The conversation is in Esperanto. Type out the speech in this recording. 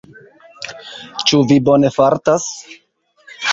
Ĉu vi bone fartas?